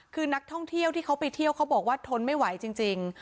คือนักท่องเที่ยวที่เขาไปเที่ยวเขาบอกว่าทนไม่ไหวจริง